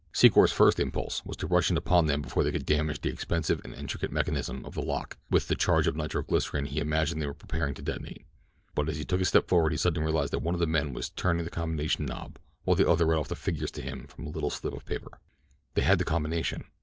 Secor's first impulse was to rush in upon them before they should damage the expensive and intricate mechanism of the lock with the charge of nitro glycerine he imagined they were preparing to detonate; but as he took a step forward he suddenly realized that one of the men was turning the combination knob while the other read off the figures to him from a little slip of paper. They had the combination.